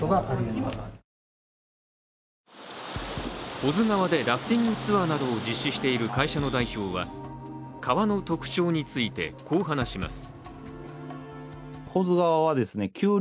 保津川でラフティングツアーなどを実施している会社の代表は、川の特徴についてこう話します。